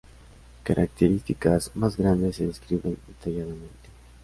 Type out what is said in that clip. Características más grandes se describen detalladamente.